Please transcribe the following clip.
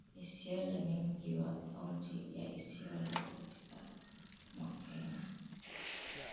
Isiolo ni mji wa kaunti ya Isiolo katikati mwa Kenya